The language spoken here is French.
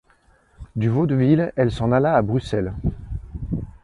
Du Vaudeville, elle s’en alla à Bruxelles.